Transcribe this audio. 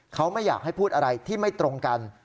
เขาไม่อยากให้พูดอะไรที่ไม่ตรงกัน